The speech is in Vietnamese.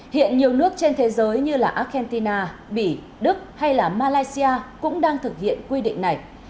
hiện nhiều nước trên thế giới như argentina bỉ đức hay malaysia cũng đang thực hiện quy định này